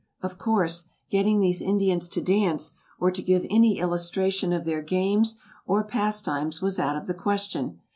Of course, getting these Indians to dance, or to give any illustration of their games or pastimes, was out of the question.